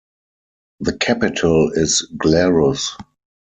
The capital is Glarus.